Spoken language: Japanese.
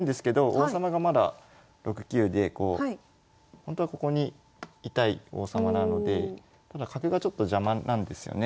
囲いは完成してるんですけど王様がまだ６九でほんとはここにいたい王様なのでただ角がちょっと邪魔なんですよね。